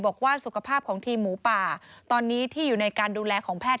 บอกว่าสุขภาพของทีมหมูป่าตอนนี้ที่อยู่ในการดูแลของแพทย